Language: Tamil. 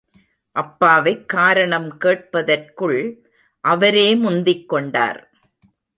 அப்பாவைக் காரணம் கேட்பதற்குள் அவரே முந்திக் கொண்டார்.